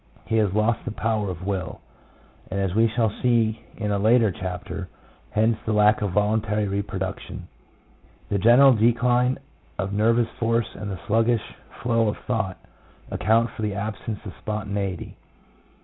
He has lost the power of will, as we shall see in a later chapter, hence the lack of voluntary reproduction ; the general decline of nervous force and the sluggish flow of thought, account for the absence of spon taneity.